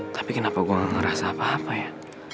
tapi kenapa gue ngerasa apa apa ya